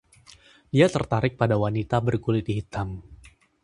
Dia tertarik pada wanita berkulit hitam.